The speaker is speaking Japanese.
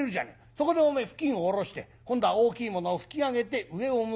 そこでおめえ布巾を下ろして今度は大きいものを拭き上げて上を向ける。